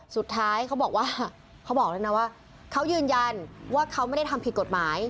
เขาบอกว่าเขาบอกแล้วนะว่าเขายืนยันว่าเขาไม่ได้ทำผิดกฎหมาย